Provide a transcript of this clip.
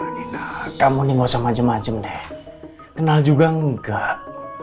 nah kamu ini gak usah macem macem deh kenal juga enggak